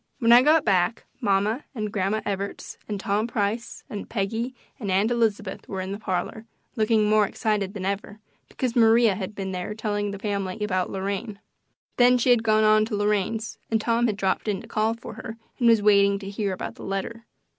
When I got back mamma and Grandma Evarts and Tom Price and Peggy and Aunt Elizabeth were in the parlor, looking more excited than ever, because Maria had been there telling the family about Lorraine. Then she had gone on to Lorraine's and Tom had dropped in to call for her and was waiting to hear about the letter.